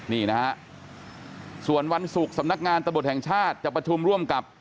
นี่นะฮะส่วนวันศุกร์สำนักงานตำรวจแห่งชาติจะประชุมร่วมกับ